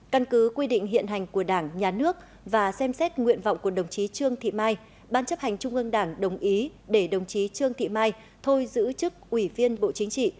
căn cứ quy định hiện hành của đảng nhà nước và xem xét nguyện vọng của đồng chí trương thị mai ban chấp hành trung ương đảng đồng ý để đồng chí trương thị mai thôi giữ chức ủy viên bộ chính trị